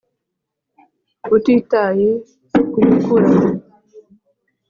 utitaye ku gukura,